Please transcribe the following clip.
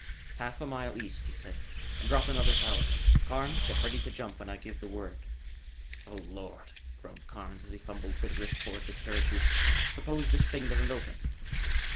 "Half a mile east," he said, "and drop another thousand. Carnes, get ready to jump when I give the word." "Oh, Lord!" groaned Carnes as he fumbled for the rip cord of his parachute, "suppose this thing doesn't open?"